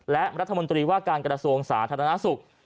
และรัฐมนตรีว่าการกระทรวงสาธารณสุข